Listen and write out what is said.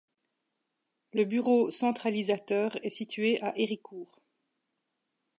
Le bureau centralisateur est situé à Héricourt.